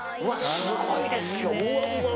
すごいですよ。